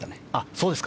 そうですか。